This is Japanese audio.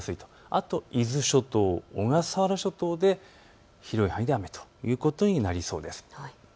あと伊豆諸島、小笠原諸島で広い範囲で雨ということになりそうです。